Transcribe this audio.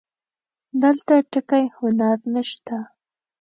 دلته ټکی هنر نه شته